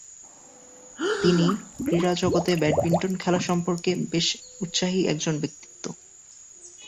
তিনি ক্রীড়া জগতে ব্যাডমিন্টন খেলা সম্পর্কে বেশ উৎসাহী একজন ব্যক্তিত্ব।